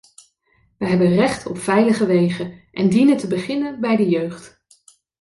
We hebben recht op veilige wegen en dienen te beginnen bij de jeugd.